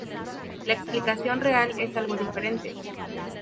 La explicación real es algo diferente.